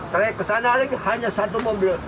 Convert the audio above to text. trayek ke sana lagi hanya satu mobil